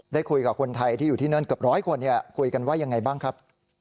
ได้คุยกับคนไทยที่อยู่ที่นั่นเกือบร้อยคนคุยกันว่ายังไงบ้างครับ